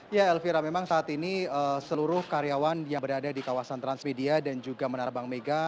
ya elvira memang saat ini seluruh karyawan yang berada di kawasan transmedia dan juga menarbang mega